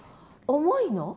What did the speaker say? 重いの？